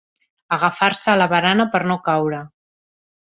Agafar-se a la barana per no caure.